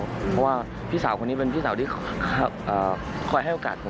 เพราะว่าพี่สาวคนนี้เป็นพี่สาวที่คอยให้โอกาสผม